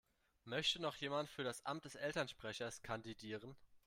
Möchte noch jemand für das Amt des Elternsprechers kandidieren?